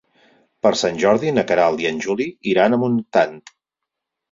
Per Sant Jordi na Queralt i en Juli iran a Montant.